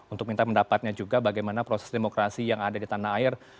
untuk minta pendapatnya juga bagaimana proses demokrasi yang ada di tanah air